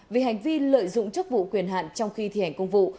vì hành vi lợi dụng chức vụ quyền hạn trong khi thi hành công vụ